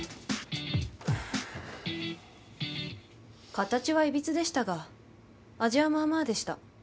形はいびつでしたが味はまあまあでした。